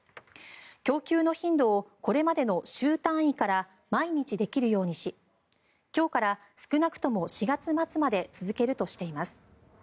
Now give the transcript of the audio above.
供給の頻度をこれまでの週単位から毎日できるようにし今日から少なくとも４月末まで続けるとしています。